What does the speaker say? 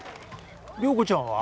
良子ちゃんは？